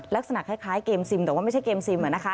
ลักษณะคล้ายเกมซิมแต่ว่าไม่ใช่เกมซิม